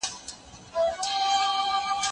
کېدای سي درسونه اوږده وي؟!